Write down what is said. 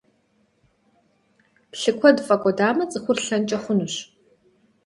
Лъы куэд фӀэкӀуэдамэ, цӀыхур лӀэнкӀэ хъунущ.